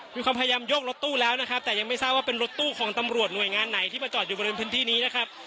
มีความพยายามยกรถตู้แล้วนะครับแต่ยังไม่ทราบว่าเป็นรถตู้ของตำรวจหน่วยงานไหนที่มาจอดอยู่บริเวณพื้นที่นี้นะครับ